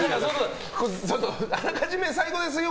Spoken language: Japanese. あらかじめ最後ですよ